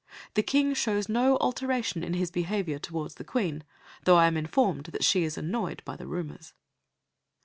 The King shows no alteration in his behaviour towards the Queen, though I am informed that she is annoyed by the rumours."